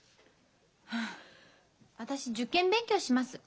私受験勉強します。